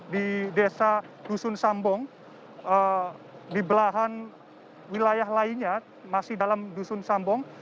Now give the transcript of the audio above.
di desa dusun sambong di belahan wilayah lainnya masih dalam dusun sambong